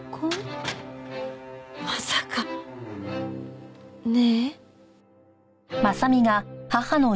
まさかね？